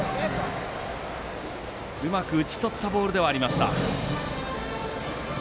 うまく打ち取ったボールではありました。